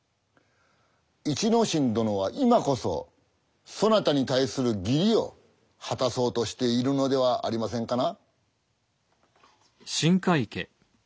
一之進殿は今こそそなたに対する義理を果たそうとしているのではありませんかな？